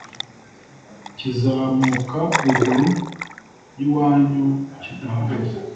kizamuka ruguru yiwanyu kidahagaze